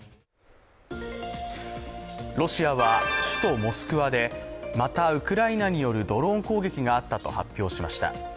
ロシアは首都モスクワでまたウクライナによるドローン攻撃があったと発表しました。